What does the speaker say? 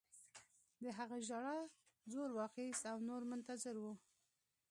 د هغه ژړا زور واخیست او نور منتظر وو